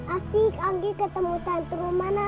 asyik anggi ketemu tante rumana